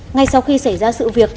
ngay sau khi xảy ra sự việc